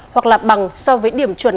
hoặc là bằng so với điểm chuẩn